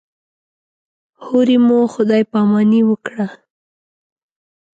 هورې مو خدای پاماني وکړه.